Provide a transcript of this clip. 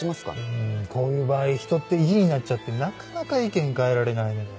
うんこういう場合人って意地になっちゃってなかなか意見変えられないのよ。